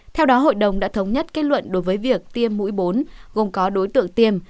theo đó hội đồng đã thống nhất kết luận đối với việc tiêm mũi bốn gồm có đối tượng tiêm